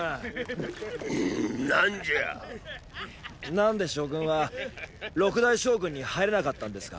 何で将軍は六大将軍に入れなかったんですか？